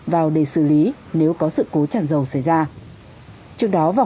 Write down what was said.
vào để xử lý nếu có sự cố tràn dầu xảy ra